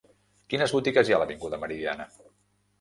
Quines botigues hi ha a l'avinguda Meridiana?